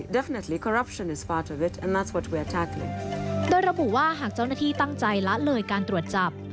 โดยระบุว่าหากเจ้าหน้าที่ตั้งใจละเลยการตรวจจับ